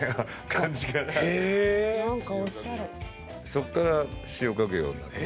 そこから詩を書くようになって。